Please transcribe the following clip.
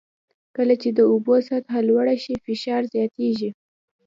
کله چې د اوبو سطحه لوړه شي فشار زیاتېږي.